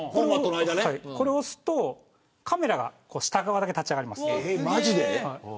これを押すとカメラが下側だけ立ち上がります。